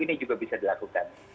ini juga bisa dilakukan